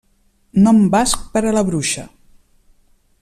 Nom basc per a la bruixa.